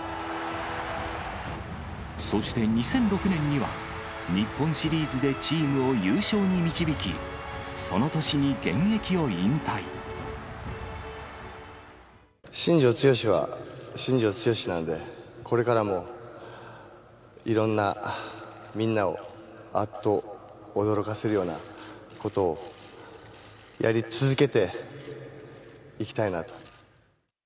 そして２００６年には、日本シリーズでチームを優勝に導き、新庄剛志は新庄剛志なんで、これからも、いろんなみんなを、あっと驚かせるようなことをやり続けていきたいなと。